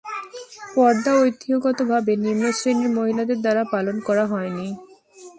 পর্দা ঐতিহ্যগতভাবে নিম্ন-শ্রেণীর মহিলাদের দ্বারা পালন করা হয়নি।